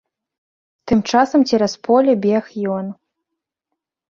Тым часам цераз поле бег ён.